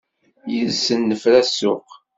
Yid-sen nefra ssuq.